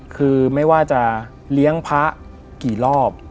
คือไม่ว่าจะเลี้ยงพระกี่รอบ